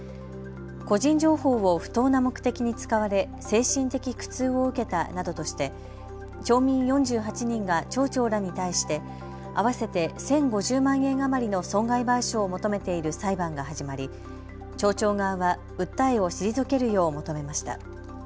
個人情報を不当な目的に使われ精神的苦痛を受けたなどとして町民４８人が町長らに対して合わせて１０５０万円余りの損害賠償を求めている裁判が始まり、町長側は訴えを退けるよう求めました。